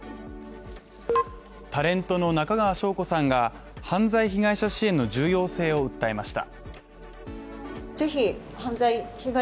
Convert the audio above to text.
タレントの中川翔子さんが、犯罪被害者支援の重要性を訴えました。